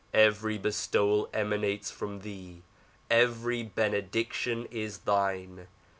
Every bestowal emanates from thee; every benediction is thine.